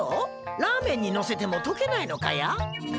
ラーメンにのせても解けないのかや？